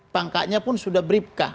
pangkanya pun sudah beribkah